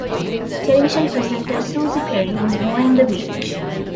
Television presenter Suzi Perry was born in the village.